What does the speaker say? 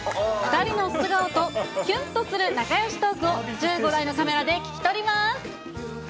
２人の素顔と、キュンとする仲よしトークを１５台のカメラで聞き取ります。